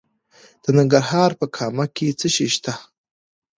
د ننګرهار په کامه کې څه شی شته؟